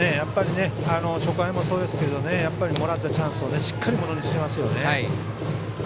初回もそうでしたけどもらったチャンスをしっかりものにしてますね。